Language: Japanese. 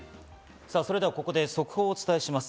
ここで速報をお伝えします。